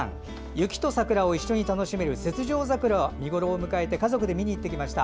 雪と桜を一緒に楽しめる雪上桜が見頃を迎えて家族で見に行ってきました。